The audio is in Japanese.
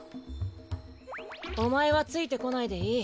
おまえはついてこないでいい。